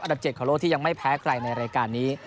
อัตรับ๗กับรถที่ยังไม่แพ้ใครในรายการนี้